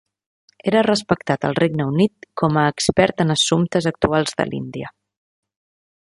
Era respectat al Regne Unit com a expert en assumptes actuals de l'Índia.